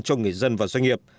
cho người dân và doanh nghiệp